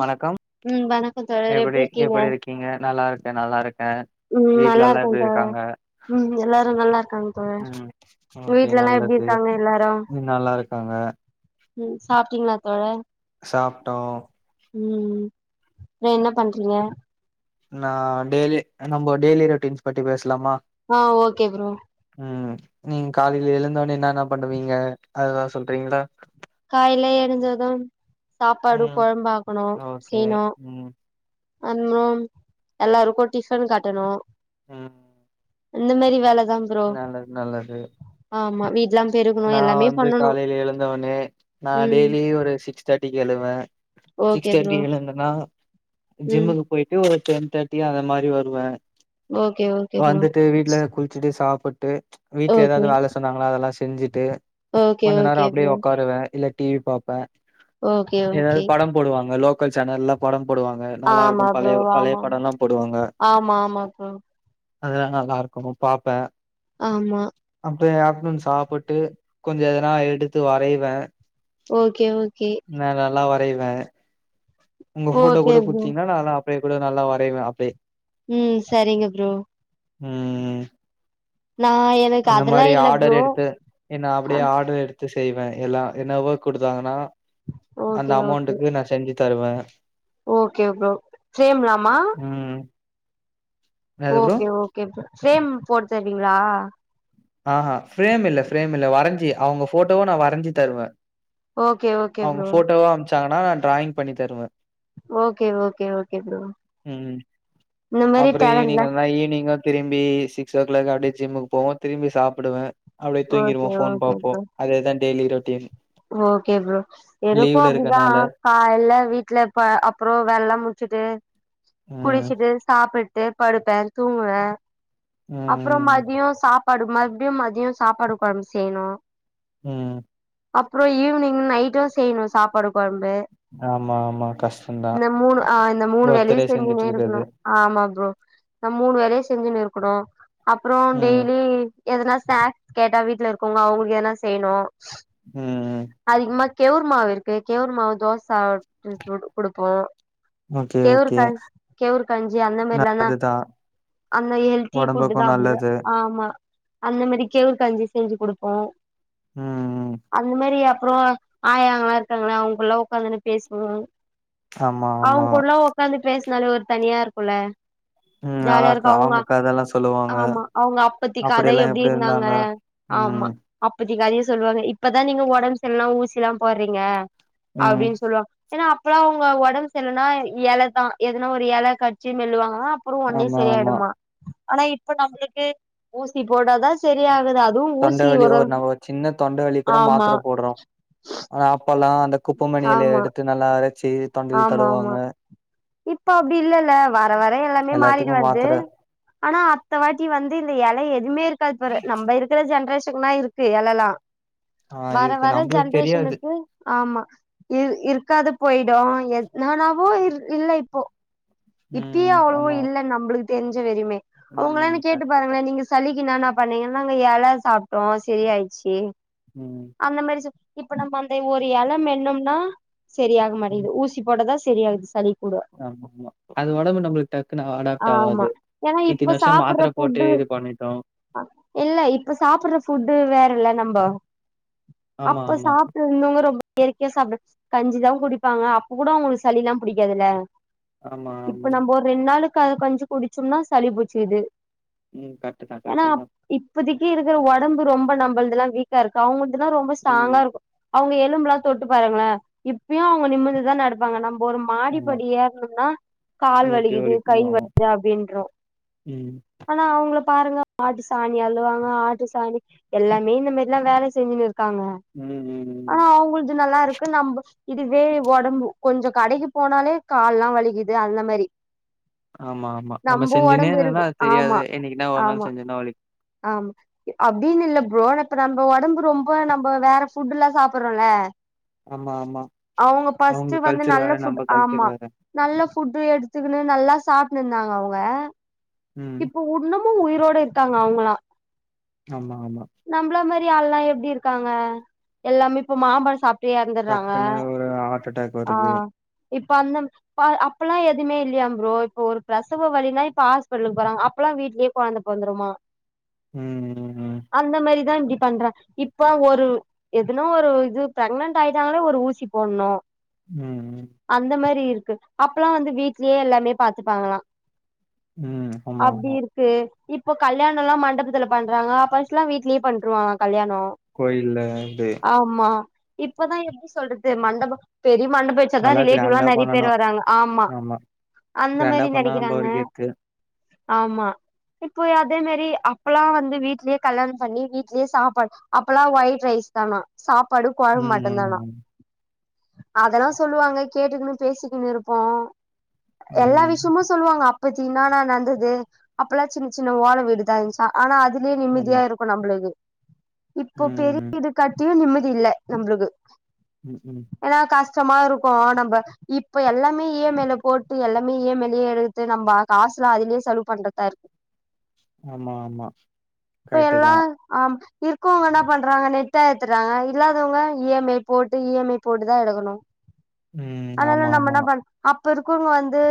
வணக்கம் ம் வணக்கம் தோழர் எப்டி எப்டி இருக்கீங்க நல்லா இருக்கேன் நல்லா இருக்கேன் உம் நல்லா இருக்கங்க தோழர் உம் எல்லாரும் நல்லா இருக்காங்க தோழர் ம் உங்க ஓகே வீட்ல எல்லாம் எப்படி நல்லது இருக்காங்க எல்லாரும் ம் நல்லா இருக்காங்க. சாப்டீங்களா தோழர் சாப்பிட்டோம் உம் உம் வே என்ன பண்றீங்க நா டெய்லி நம்ம டெய்லி ரொட்டீன்ஸ் பத்தி பேசலாமா ஆஹ் ஓகே ப்ரோ உம் நீங்க காலையில எழுந்தோனே என்ன என்ன பண்ணுவீங்க அதெல்லாம் சொல்றீங்களா காலாயில எழுஞ்சதும் சாப்பாடு ம் குழம்பு ஆக்கணும் ஓகே செய்யணும் ம் உம் உம் எல்லாருக்கும் டிபன் கட்டணும் ஆ அந்த மாதிரி வேலை அதா ப்ரோ ஆமா வீட்லாங் நான் வந்து காலையில எழுந்தவனே நான் ம் டெய்லி ஒரு சிக்ஸ் தேர்ட்டிக்கு எழுவேன் ஓகே சிக்ஸ் ப்ரோ தேர்ட்டி எழுந்தனா ம் ஜிம்க்கு போயிட்டு ஒரு டென் தேர்ட்டி அது மாதிரி வருவேன் ஓகே ஓகே ப்ரோ வந்துட்டு வீட்டு்ல குளிச்சுட்டு சாப்பிட் டு வீட்டுல ஓகே ஏதாவது வேலை சொன்னாங்கனா அதெல்லாம் செஞ்சுட் ட்டு ஓகே கொஞ்ச நேரம் ஓகே அப்படியே ப்ரோ உக்காருவேன் இல்ல டிவி பாப்பேன் ஓகே ஏதாவது ஓகே படம் போடுவாங்க மக்கள் செனல்ல படம் போடுவாங்க நல்லா ஆமா இருக்கு ப்ரோ பழைய பழைய ஆமா படம்லா ஆமா ஆமா ப்ரோ அதெல்லாம் நல்லா இருக்கும் பார்ப்பேன் ஆமா டுடே ஆஃப்டர்னுன் சாப் விட்டு கொஞ்சம் எதனா எடுத்து வரைவேன் ஓகே ஓகே வரைவேன் உங்க போட்டோ ஓகே கூட ப்ரோ குடுத்தீங்கன்னா நா அப்படியே கூட நல்லா வரையுவே அப்டியே ம் சரிங்க ப்ரோ ம் ம் நா எனக்கு அந்த அதெல்லா மாதிரி இல்ல ஆர்டர் ப்ரோ எடுத்து ஏன்ன அப்படியே ஆர்டர் எடுத்து செய்வேன் எல்லா என்னவோ கொடுத்தாங்கன்னா அந்த ஓகே ஓகே அமௌண்ட்டுக்கு நான் செஞ்சு தருவ ஓகே ப்ரோ சேம்லாமா ம் என்னது bro okay okay bro frame போட்டு தருவீங்களா ஆ ஃப்ரேம் இல்ல ஃப்ரேம் இல்ல வரஞ்சி அவங்க போட்டோவ நான் வரஞ்சி தருவேன் ஓகே ஓகே ப்ரோ ட்டாங்கனா நா டிராயி்ங் பண்ணி தருவ ஓகே ஓகே ஓகே ப்ரோ இந்த மாரி அப்புற ஈவ்னிங் டேலண்ட்லா வந்தனா ஈவ்னிங்கு திரும்பி சிக்ஸ் ஓ க்ளாக் அப்டியே ஜிம்முக்கு போவோ திரும்பி சாப்புடுவே அப்டியே ஓகே தூங்கிருவோ ஃபோன் ஓகே பாப்போ ப்ரோ அதேதா daily routine okay bro எனக்கு அப்டிதா இருக்கனால. காலைல வீட்ல இருப்ப அப்றொ வேல்லா முடுச்சுட்டு ம். குளிச்சிட்டு சாப்புட் ட்டு படுப்பே தூங்குவே அப்றம் ம். மதியொ சாப் பாடு மறுப்டியும் மதியொ சாப்பாடு கொழம்பு செய்ணு உம் அப்றொ ஈவ்னிங் நைட்டு செய்ணு சாப்பாடு கொழம்பு ஆமா, ஆமா. கஷ்டம் தான். இந்த மூணு ஆ இந்த மூணு வேலையு ஒருத்தரே செஞ்சுட்டு செஞ்சுனே இருக்கணு இருக்கறது. ஆமா ப்ரோ இந்த மூணு வேலையு செஞ்சுன்னு இருக்கணு அப்றோ ம். டெய்லி எதனா ஸ்நாக்ஸ் கேட்டா வீட்ல இருக்கவ்ங்க அவுங்களுக்கு எதனா செய்ணு ம். அதிகமா கெவுர் மாவு இருக்கு கெவுர் மாவு தோச குடுப்போ ஓகே, கெவுர் ஓகே. க கேவுர் கஞ்சி அந்த மாரிலானா நல்லதுதான். அந்த ஹெல்த்தி ஃபுட்டு தா உடம்புக்கும் அப்டிதா நல்லது. ஆமா அந்த மாரி கேவுரு கஞ்சி செஞ்சு கொடுப்போ உம் உம் அந்த மாரி அப்றோ ஆயாங்களா இருக்காங்கல்ல அவுங்கூல்லா ஒக்காந்துன்ன பேசுவோ ஆமா, அவுங் ஆமா. கூடலா ஒக்காந்து பேச னாலே ஒரு தனியா இருக்குல்ல ம் நல்லா ஜாலியா இருக்கு அவுங்க அவங்க கதெல்லா சொல்லுவாங்க ஆமா அவுங்க அப்பத்தி கத எப்டி இருந்தாங்க ஆமா ம் அப் பத்தி கதிய சொல்வாங்க இப் பதா நீங்க ஒடம் சர்லெனா ஊசில்லா போர்றீங்க ம் அப்டீன் சொல்வா ஏனா அப்பல்லா அவுங்க ஒடம் சர்லனா எலதா எதனா ஒரு எல கட்ச்சு மெல்லுவாங்க அ ப்புறோ ஒன்னே ஆமா ஆமா சரியாயிடுமா ஆனா இப்ப நம்மளுக்கு ஊசி போடாதா சரியா தொண்டவலி ஒரு நம்ம சின்ன தொண்டவலி திர ஆமா மாத்திர போட்றோ ஆனா பலா குப்பமணியல ஆமா எடுத்து நல்லா அரை ச்சு தொண்டைல ஆமா ஆமா தடவாங்க இப்ப அப்டி இல்லல்ல வர வர எல்லாமே எல்லாத்துக்கு மாத்திர மாறிட்டுவருதுஆனா அத்த வாட்டி வந்து இந்த எலை எதுவுமே இருக்காது பாரு நம்ம இருக்கிற ஜென்ரேஷன் ஜென்ரேஷன் னா இருக்கு எலல்லாம் ஆ வர இருக்கு வர நம்மளுக்கு தெரியாது ஜென்ரேஷனுக்கு ஆமா இருக்காது போயிடும் நானாவோ இரு இல்ல இப்போ இப்பயே ம் அவ்ளோவ ஆமா இல்ல ஆமா நம்மளுக்கு தெரிஞ் வெரி மே உங்களான ம் கேட்டு கரெக்ட் கரெக்ட் பாருங்களேன் நீங்க சலிக்குனான் பண்ணீங்கன்னா அங்க எல சாப்டோம் செரி ஆயிச்சு ம் அந்த மாரி இப்ப நம்ம அந்த ஒரு எல மேன்னம்னா சரியிக மாட்டேங்குது ஊசி போட்டதா சரியாகுது சளி கூட ஆமா ஆமா அது ஒடம்பு நம்மளுக்கு டக்குன்னு அடாப்ட் ஆவாது ஏன்ன இத்தின இப்ப வருஷோ சாப்ற மாத்திர போட்டு ஃபுட்டு இது பண்ணிட்டோ இல்ல இப்ப சாப்புர ஃபுட்டு வேற இல்ல வா ஆமா அப்ப ஆமா சாப்ட்டு ரொம்ப இயற்கையா சாப்புடு கஞ்சிதான் குடிப்பாங்க அப்ப கூட அவுங்களுக்கு சளிலான் புடி க்காதுல ஆமா இப்ப ஆமா நம்ம ஒரு ரெண்டு நாளுக்கு கஞ்சி குடிச்சோம்னா சளி புடிச்சுக்குது ம் கரெக்ட் தா ஏன்னா கரெக்ட் தா இப்போதைக்கு இருக்கு உடம்பு ரொம்ப நம்மளல்லாம் வீக்கா இருக்கு அவுங்க இது நா ரொம்ப ஸ்ட்ராங்கா ம் இருக்கு அவுங்க எ ஒடம்பலாம் தொட்டு பாருங்களன் இப்பும் அவங்க நிமிந்துதான் நடப்பாங்க நம்ம ஒரு ஆமா மாடிபடிய யேறணும்னா கால் மூட்டி வலிக்குது வலிக்கு கை வலிக்குது ம் அப்படின்றோஆனா அவுங்க பாருங்க ஆட்டு சாணி அள்ளுவாங்க ஆட்டு சாணி எல்லாமே இந்த மாரி எல்லாம் வேலை செஞ்சுன்னு இரு க்காங்க ம் ம் ம் ஆனா அவுங்களுக்கு நல்லா இருக்கு நம்ம இதுவே ஒடம்பு கொஞ்ச கடைக்கி போனாலே கால் எல்லாம் வலிகிது அந்த மாரி ஆமா ஆமா நம்ம நம்ப ஒடம்பு செஞ்சுனேன்னா இருக்கு அது தெரியாது ஆமா என்னனைக்குனா ஒரு நாள் செஞ்சன்னா வலி அப்படின்னு இல்லலை ப்ரோ இப்ப நம்ம ஒடம்பு ரொம்ப நம்ம வேற ஃபுட்டு் எல்லாம் சாப்பிடுறோம்ல ஆமா ஆமா அவங்க கல்ச்சர் வேற நம்ம கல்ச் ம்மா நல்ல புட்டு் எடுத்துக்குனு நல்லா சாப் இருந்தாங்க அவங்க ம் இப்போ ஒண்ணும் உயிரோட இருக்காங்க அவங்களாம் ஆமா ஆமா எல்லா எப்டி இருக்காங்க எல்லாமே இப்ப மாம்பழம் சாப் டக்குன்னு ஒரு ஹார்ட் அட்டாக் ஆ வருது இப்ப அந்த அப்பல்லாம் எதுவுமே இல்லையா ப்ரோ இப்ப ஒரு பிரசவ வழின்னா இப்ப ஆஸ் பிட்டல் போறங்க அப்பெல்லா வீட்லேயே குழந்தை பொறந்துருமா ம் ம் அந்த மாரி தான் இப்டி பண்றன் இப்ப ஒரு எதுனா ஒரு இது பிரெக்னன்ட் ஆயிட்டாங்களே ஒரு ஊசி போடணும் ம் ம் அந்த மாரி இரு இருக்கு அப்பல்லாம் வந்து வீட்லயே எல்லாமே பாத்துப்பாங்களாம் ம் ம். ஆமா அப்டி ஆமா இருக்கு இப்போ கல்யாணம் எல்லாம் மண்டபத்தில் பண்றாங்க பஸ்ட்லாம் வீட்லயே பண்ணருவாங்க கல்யணம் கோயில்ல இது னு ஆமா இப்பதான் எப்டி சொல்றது மண்டபம் பெரிய மண்டப வச்சாதான் நல்லா ரிலேட்டிவ்‌ கிராண்டா எல்லாம் நிறைய பண்ணனு பேர் வராங்க ஆமா அந்த கிராண்டா மாரி பண்ணா நம்ப நினைக்கிறாங்க ஒரு கெத்து ஆமா இப்போ அதே மாரி அப்பல்லாம் வந்து வீட்லயே கல்யாணம் பண்ணி வீட்லயே சாப்பாடு அப்பல்லாம் ஒயிட் ரைஸ் தானா சாப் படுக்க ம் மாட்டம்தானா ம் அதெல்லாம் சொல்லுவாங்க கேட்டுக்கன்னு பேசிக்கனும் இருப்போம் ம் எல்லா ம் விஷயமு சொல்லுவாங்க அப் பத்தினா நடந்தது அப்பல்லாம் சின்ன சின்ன ஓலை வீடுதா இருந்துச்சா ஆனா அது நிம்மதியா ஆமா இருக்கும் நம்மளுக்கு இப்போ ம் பெரிய ம் வீடு கட்டியும் நிம் இல்ல நம்பளுக்கு உம் உம் ஏன்னா கஷ்டமா இருக்கோ நம்ப இப்ப எல்லாமே இ ஐ எம் மைல போட்டு எல்லாமே இ ஐ எம் மையிலே எடுத்து நம்ப காசுலா அதுலயே செலவு பண்றதா இருக்கு ஆமா ஆமா இப்ப எல்லா கரெட்டுதான் ஆம் இருக்கவங்க என்ன பண்றாங்க நெட்டா ஏத்துறாங்க இல்லாதவங்க இ எம் ஐ போட்டு இ எம் ஐ போட்டு தான் எடுக்கணும் ம் ஆமா அதலாம் நம்ம ஆமா என்ன இப்ப இருக்குவங்க வந்து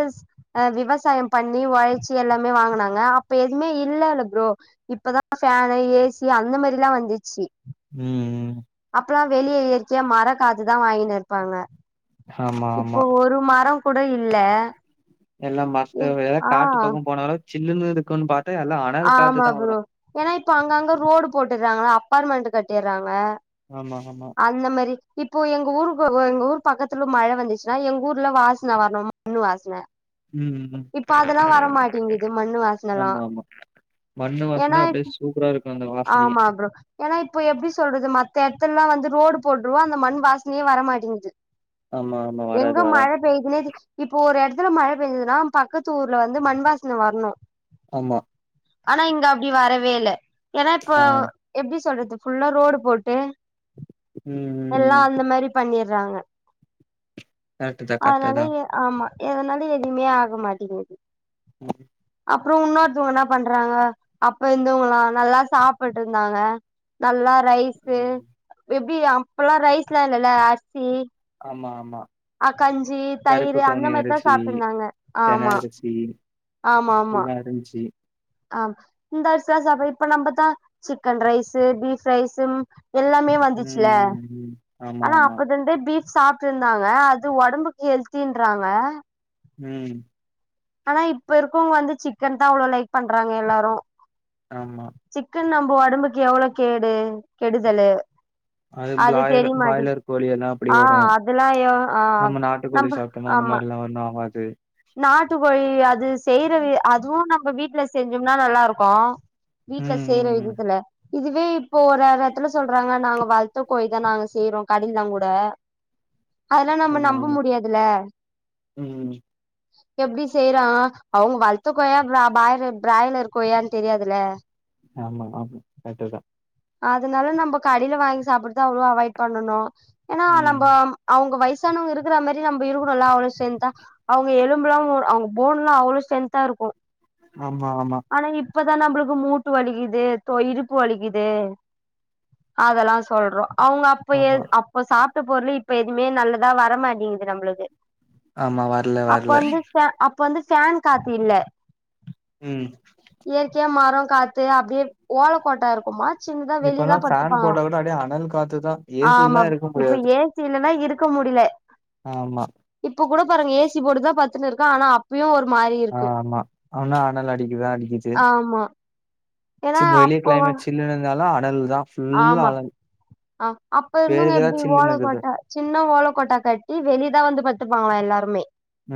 உ விவசாயம் பண்ணி உழைச்சி எல்லாமே வாங்கனாங்க அப்ப எதுவுமே இல்லல்ல ப்ரோ இப்பதான் ஃபேனு ஏசி அந்த மேரி எல்லா வந்துச்சு ம்ம் அப்பல்லாம் வெளியே இயற்கையா மர காத்துதான் வாங்கினு இருப்பாங்க ஆமா இப்போ ஆமா ஒரு மரம் கூட இல்ல எல்லா மத்த எதா காட்டு பக்கம் போன அளவு சில்லுனு இருக்கு பாத் ஆமாகுரு ஏனாப் இப்ப அங்கங்க ரோடு போட்டுறாங்க அப்பார்ட்மெண்ட் கட்டிறாங்க ஆமா ஆமா அந்த மாரி இப்போ எங்க ஊருக்கு எங்க ஊர் பக்கத்துல மழை வந்துச்சுன்னா எங்க ஊர்ல வரணும் மண்ணு வாசனை உம் வரமாட்டேங்குது மண்ணு வாசனல்லா ஆமா ஆமா மண்ணு ஏன்னா வாசம்தா அப்படியே சூப்பரா இருக்கும் ஆமா ப்ரோ ஏன்னா இப்போ எப்படி சொல்றது மத்த இடத்துலல்லாம் வந்து ரோடு போட்டுறுவோம் அந்த மண் வாசனையே வர மாட்டேங்குது ஆமா ஆமா எங்க வராது வராது மழை பெய்துனே இப்போ ஒரு இடத்துல மழை பெய்ஞ்சுதுன்னா பக்கத்து ஊர்ல வந்து மண்வாசன வரணும் ஆமா ஆனா இங்க அப்டி வரவே இல்ல ஏன்னா இப்ப ஆ எப்படி சொல்றது ஃபுல்லா ரோடு போட்டு ம் ம் எல்லா ம் அந்த மாரி பண்ணிரு றாங்க கரெக்ட்டுதா கரெக்ட்டுதா அதனால ஏ ஆமா எதனாலும் எதுவுமே ஆக மாட்டேங்குது [inaudible] அப்புறம் உன்னொருத்தவங்க என்ன பண்றாங்க அப்ப இருந்தவங்களாம் நல்லா சாப்பிட்டு இருந்தாங்க நல்லா ரைஸ்சு எப்படி அப்பல்லாம் ரைஸ் எல்லா இல்ல ல அரிசி ஆமா ஆமா அஹ கஞ்சி கருப்பு தயிர் அந்த கவுனி மேரிதான் அரிசி சாப்பிட்டுன்னு இருந்தாங்க தென ஆமா அரிசி ஆமா ஆமா எல்லா இருந்துச்சு ஆன் இந்த அரிசி தான் சாப்பறது இப்ப நம்மத் த சிக்கன் ரைஸ் பீஃப் ரைஸ்சு எல்லாமே வந்துச்சுல ம் ம் ம் ஆமா ஆனா ஆமா அப்பதுலே இந்தே ஃபீப் சாப்ட்டுன்னு இருந்தாங்க அது உடம்புக்கு ஹெல்தி இன்றாங்க உம் ஆனா இப்ப இருக்கவங்க வந்து சிக்கன் தான் அவ்வளவு லைக் பண்றாங்க எல்லாரும் ஆமா சிக்கன் நம் ஒடம்புக்கு எவ்ளோ கேடு கெடுதலு அது பிளாய்ட பாய்லர் கோழி எல்லாம் அப்படி ஆ வரும் அதெல்லா யோ ஆ நம்ம நாட்டு கோழி நம்ப சாப்பிட்டோம்னா அந்த ஆமா மாதிரிலாம் ஒன்னும் ஆவாது [unintelligible] நாட்டுக்கோழி அது செய்ற வி அதுவும் நம்ப வீட்ல செஞ்சோம்னா நல்லா இருக்கும் வீட்ல ம் செய்யற ம் ம் விதத்துல இதுவே இப்போ ஒரு எடத்துல சொல்றாங்க நாங்க வள்த்த கோழி தான் நாங்க செய்றோம் [unintelligible] கூட அதெல்லாம் நம்ம ஆமா நம்ப ஆமா முடியாதுல ம் எப்டி செய்றான் அவங்க வள்த்தக்கோயா ப்ரா பாய்லர் பிராய்லர் கோலியானு தெரியாதுல ஆமா ஆமா கர்ட்டுதான் அதனால நம்ப கடையில வாங்கி சாப்பிடுறது அவ்ளோ அவாய்ட் பண்ணனும் ஏன்னா ம் நம்ப அவங் வய்சு சானவங்க இருக்கிற மாரி நம்ப இருக்கணும்ல அவ்ளோ ஸ்ட்ரென்த்தா ங்க எலும்புலாம் அவுங் போன்லா அவ்ளோ ஸ்டேன்தா இருக்கும் ஆமா ஆமா இப்பதான் நம்பளுக்கு மூட்டு வலிக்குது தொ இடுப்பு வலிக்குது அதெல்லாம் சொல்றோம் அவுங்க அப்பய ஆமா அப்ப சாப் ட்ட பொருள் இப்ப எதுமே நல்லதா வரமாட்டேங்குது நம்ளுக்கு ஆமா வர்ல வர்ல ப்ப வந்து ஃபேன் காத்தில்ல உம் மரோ காத்து அப்டியே ஓலக்கோட்டா இருக்குமா சின்னதா வெளியதா இப்பல்லாம் ஃபேன் படுத்துப்பாங்களா போட்ட கூட அப்படியே அனல் காத்துதான் ஏசி இல்னா ஆமா இருக்க இப்ப முடியாது ஏ சி இல்லன்னா இருக்க முடில ஆமா இப்ப கூட பாருங்க ஏசி போட்டுதான் பத்துட்டு இருக்கன் ஆனா அப்பயும் ஒரு மாரி இருக்கு ஆஹ் மா ஆனா அனள் அடிக்குதான் அடிக்குது ஆமா ஏன்னா சில் வெளிய அப்போ வ கிளைமேட்ஸ் சில்லுனு இருந்தாலும் அ நல் ஆமா அப் அப்ப இருந்தவங்க பேருக்குதா எப்டி சில்லுனு இருக்குது ஓலக்கோட்டா சின்ன ஓலக்கோட்டா கட்டி வெளிதான் வந்து பத் த்துப்பாங்களா எல்லாருமே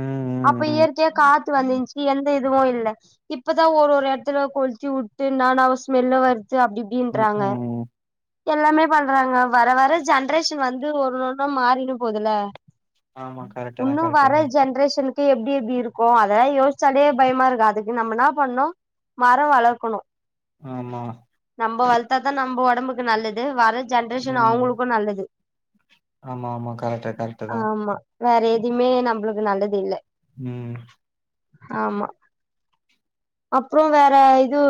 ம் அப்ப ம் இயற்கையா காத் த்து வந்துச்சு எந்த இதுவும் இல்ல இப்பதான் ஒரு ஒரு எட்த்துல கொளுத்தி உட்டு இன்னனவோ ஸ்மெல்லு வரு அப்டி ம் இப்டின்றாங்க ம் ம் எல்லாமே பண்றாங்க வர வர ஜென்ரேஷன் வந்து ஒண்ணொண்ணு மாறினு போவுதல ஆமா கரெக்ட்டு தா இன்னும் கரெக்ட்டு வர தா ஜென்ரேஷனுக்கு எப்படி எப்படி இருக்கும் அதெல்லாம் யோசிச்சாலே பயமா இருக்கும் அதுக்கு நம்ம என்ன பண்ணணு மரம் வளர்க்கணும் ஆமா நம்ப வளர்த்தாதா நம்ப உடம்புக்கு நல்லது வர ஜென்ரேஷன் ம் அவங்களுக்கும் நல்லது ஆமா ஆமா கரெக்ட்டு கரெக்ட்டு தா ஆமா வேற எதுவுமே நம்மளுக்கு நல்லது இல்லை ம் ஆமா அப்புறம் வேற இது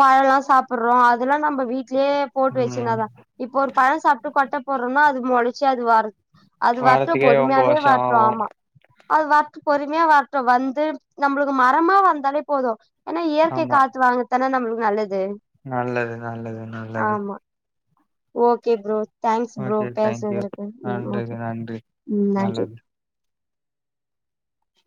பழ எல்லாம் சாப்பிடுறோம் அதெல்லாம் நம்ம வீட்லயே போட்டு ம் வச்சுனாதான் இப்போ ஒரு பழம் சாப்பிட்டு கொட்ட போட்றோனா அது மொளச்சு அது வர்துனா அது வரட்டு வாரத்துக்கே ஒம்ப பொறுமையாவே வருஷோ வறட்டும் ஆவு ஆமா அது வரட் பொறுமையா வரட்டும் வந்து நம்மளுக்கு மரமா வந்தாலே போதும் ஏன்னா இயற்கை ஆமா காத்து வாங்குது அதான நம்மளுக்கு நல்லது நல்லது நல்லது நல்லது ஆமா okay bro thanks bro okay thank you பேசுறது இருக்கு ஓகே நன்றிங்க ப்ரோ நன்றி நல்லது நன்றி ப்ரோ